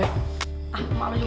ah malu juga